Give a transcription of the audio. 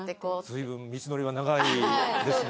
随分道のりは長いですね。